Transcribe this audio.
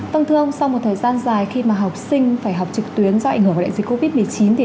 thông thường sau một thời gian dài khi mà học sinh phải học trực tuyến do ảnh hưởng đại dịch covid một mươi chín